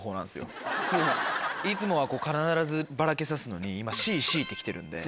いつもはこう必ずバラけさすのに今ＣＣって来てるんで。